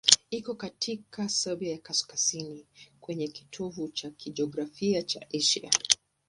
Iko katika Siberia ya kusini, kwenye kitovu cha kijiografia cha Asia.